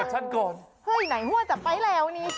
เฮ้ยไหนหัวจับไปแล้วนี่